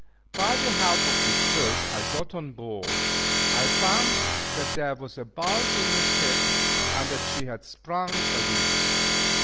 By the help of this rope I got on board. I found that there was a bulge in the ship, and that she had sprung a leak.